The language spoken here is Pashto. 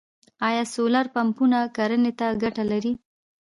آیا سولر پمپونه کرنې ته ګټه لري؟